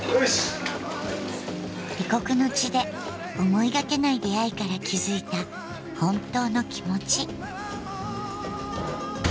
異国の地で思いがけない出会いから気付いた本当の気持ち。